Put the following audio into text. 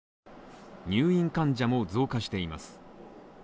入院患者も増加しています。